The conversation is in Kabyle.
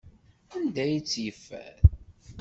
Anda ay tt-yeffer?